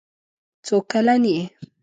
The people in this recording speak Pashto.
څو کلن یې.